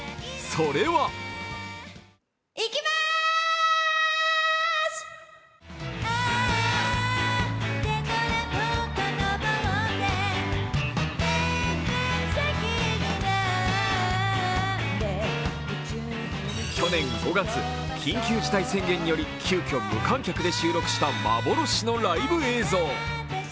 それは去年５月、緊急事態宣言により急きょ無観客で収録した幻のライブ映像。